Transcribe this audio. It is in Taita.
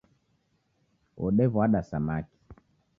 Wodewada samaki.